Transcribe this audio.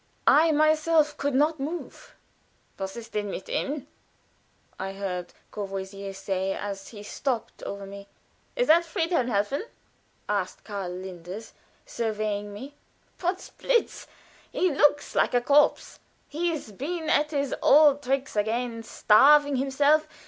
I myself could not move. "Was ist denn mit ihm?" I heard Courvoisier say as he stooped over me. "Is that Friedhelm Helfen?" asked Karl Linders, surveying me. "Potz blitz! he looks like a corpse! he's been at his old tricks again, starving himself.